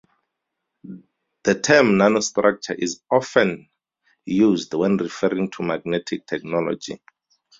The term "nanostructure" is often used when referring to magnetic technology.